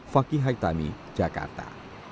fakih haitami jakarta